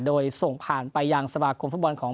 โดยส่งผ่านไปยังสมาคมฟุตบอลของ